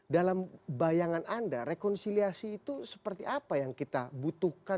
dalam bayangan anda rekonsiliasi itu seperti apa yang kita butuhkan